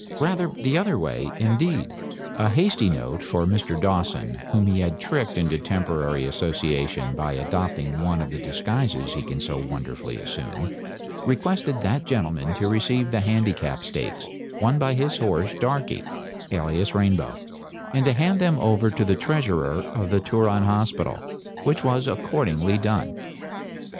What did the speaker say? Rather the other way, indeed. A hasty note for Mr. Dawson, whom he had tricked into temporary association by adopting one of the disguises he can so wonderfully assume, requested that gentleman to receive the Handicap Stakes, won by his horse, Darkie, alias Rainbow, and to hand them over to the treasurer of the Turon Hospital, which was accordingly done.